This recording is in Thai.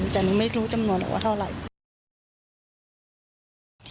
แต่หนูไม่รู้จำนวนหรอกว่าเท่าไหร่